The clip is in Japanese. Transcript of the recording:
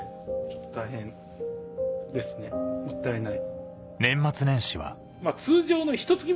大変ですねもったいない。